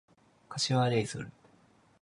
柏レイソル